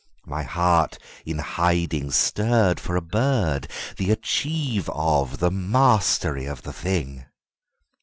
My heart in hidingStirred for a bird,—the achieve of; the mastery of the thing!